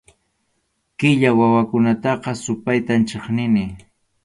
Qilla wawakunataqa supaytam chiqnini.